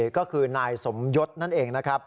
ก็คือนายสมยศนั่นเอง